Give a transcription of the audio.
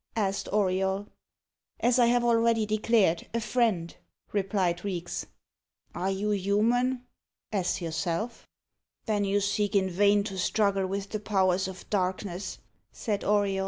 asked Auriol. "As I have already declared, a friend," replied Reeks. "Are you human?" "As yourself." "Then you seek in vain to struggle with the powers of darkness," said Auriol.